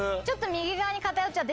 右側に偏っちゃって。